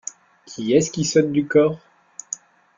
Qui est-ce qui sonne du cor ?…